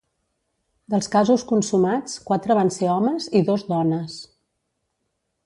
Dels casos consumats, quatre van ser homes i dos dones.